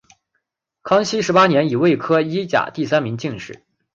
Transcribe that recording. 康熙十八年己未科一甲第三名进士。